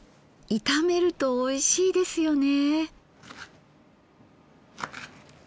炒めるとおいしいですよね。